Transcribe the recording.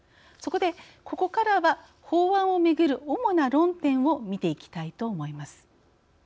そこでここからは法案を巡る主な論点を見ていきたいと思います。